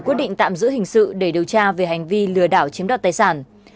quyết định tạm giữ hình sự để điều tra về hành vi lừa đảo chiếm đoạt tài sản